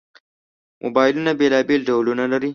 موبایلونه بېلابېل ډولونه لري.